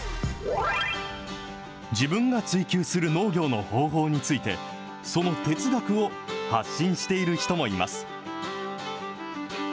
自分が追求する農業の方法について、その哲学を発信している人もいます。